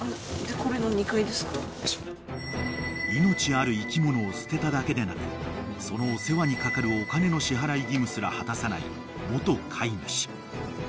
［命ある生き物を捨てただけでなくそのお世話にかかるお金の支払い義務すら果たさない元飼い主］